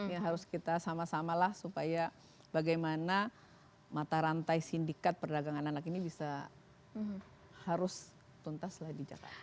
ya harus kita sama samalah supaya bagaimana mata rantai sindikat perdagangan anak ini bisa harus tuntas lah di jakarta